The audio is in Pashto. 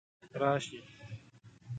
راشي